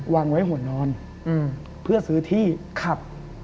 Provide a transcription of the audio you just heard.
วางไว้หัวนอนเพื่อซื้อที่ขับ